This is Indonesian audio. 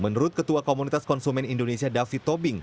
menurut ketua komunitas konsumen indonesia david tobing